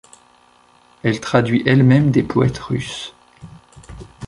Elle traduit elle-même des poètes russes.